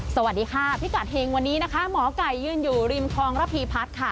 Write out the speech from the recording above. สวัสดีค่ะพิกัดเฮงวันนี้นะคะหมอไก่ยืนอยู่ริมคลองระพีพัฒน์ค่ะ